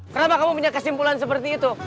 kenapa kamu punya kesimpulan seperti itu